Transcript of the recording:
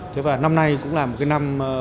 thế và năm nay cũng là một cái năm